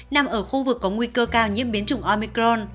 nằm ở khu vực có nguy cơ cao nhiễm biến chủng omicron